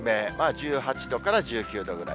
１８度から１９度ぐらい。